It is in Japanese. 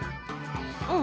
うん。